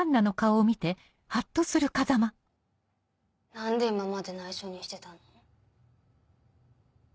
何で今まで内緒にしてたの？